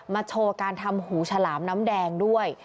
โชว์การทำหูฉลามน้ำแดงด้วย